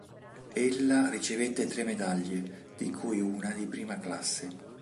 Ella ricevette tre medaglie, di cui una di prima classe.